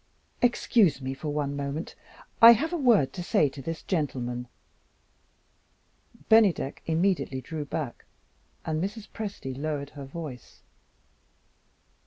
"Excuse me for one moment; I have a word to say to this gentleman." Bennydeck immediately drew back, and Mrs. Presty lowered her voice.